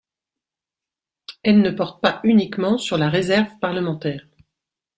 Elle ne porte pas uniquement sur la réserve parlementaire.